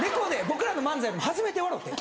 僕らの漫才も初めて笑うて。